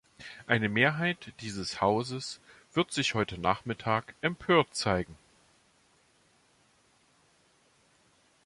Eine Mehrheit dieses Hauses wird sich heute nachmittag empört zeigen.